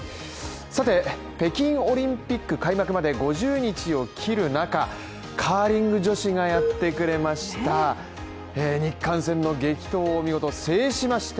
さて、北京オリンピック開幕まで５０日を切る中、カーリング女子がやってくれましたが日韓戦の激闘を見事制しまして、